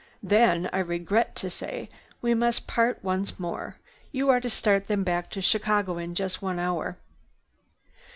Then, I regret to say, we must part once more. You are to start them back to Chicago in just one hour."